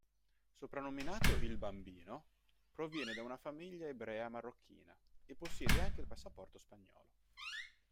Soprannominato "Il Bambino", proviene da una famiglia ebrea marocchina,e possiede anche il passaporto spagnolo.